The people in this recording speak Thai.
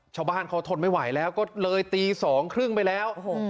ชาวบ้านเขาทนไม่ไหวแล้วก็เลยตีสองครึ่งไปแล้วโอ้โห